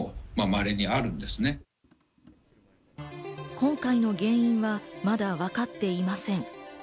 今回の原因はまだ分かっていません。